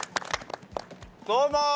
どうも！